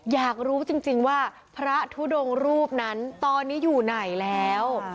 อยากรู้จริงว่าพระทุดงรูปนั้นตอนนี้อยู่ไหนแล้ว